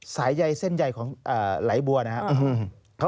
สายใยเส้นใยของไหลบัวนะครับ